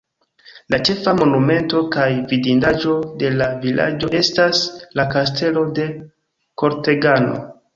La ĉefa monumento kaj vidindaĵo de la vilaĝo estas la Kastelo de Kortegano.